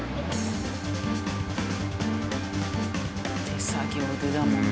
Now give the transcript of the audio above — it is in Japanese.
手作業でだもんな。